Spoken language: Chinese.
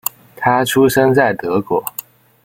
他出生在德国。